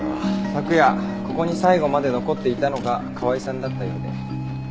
昨夜ここに最後まで残っていたのが川井さんだったようで。